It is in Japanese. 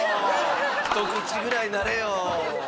一口ぐらいなれよ